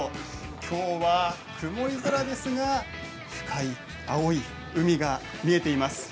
きょうは曇り空ですが深い青い海が見えています。